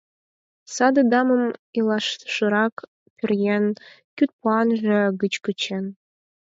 Саде дамым илалшырак пӧръеҥ кидпӱанже гыч кучен.